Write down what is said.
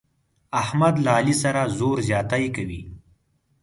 احمد له علي سره زور زیاتی کوي.